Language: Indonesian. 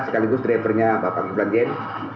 sekaligus drivernya bapak ibu blanjen